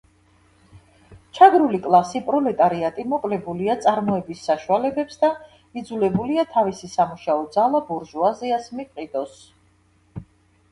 ჩაგრული კლასი, პროლეტარიატი მოკლებულია წარმოების საშუალებებს და იძულებულია თავისი სამუშაო ძალა ბურჟუაზიას მიჰყიდოს.